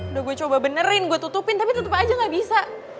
udah gue coba benerin gue tutupin tapi tutup aja gak bisa